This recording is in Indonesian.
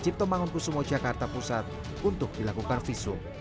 ciptomangun kusumo jakarta pusat untuk dilakukan visum